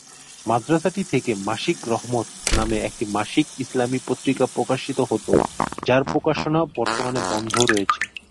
মাদ্রাসাটি থেকে "মাসিক রহমত" নামে একটি মাসিক ইসলামি পত্রিকা প্রকাশিত হত, যার প্রকাশনা বর্তমানে বন্ধ রয়েছে।